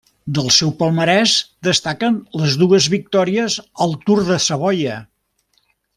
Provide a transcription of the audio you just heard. Del seu palmarès destaquen les dues victòries al Tour de Savoia.